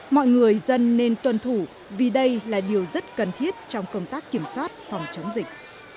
mọi người dân nên tuân thủ vì đây là điều rất cần thiết trong công tác kiểm soát phòng chống dịch